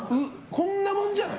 こんなもんじゃない？